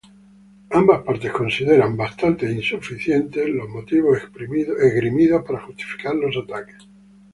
Ambas partes consideraban muy insuficientes los motivos esgrimidos para justificar los ataques.